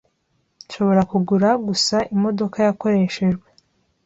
Nshobora kugura gusa imodoka yakoreshejwe.